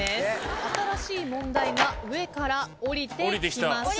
新しい問題が上からおりてきました。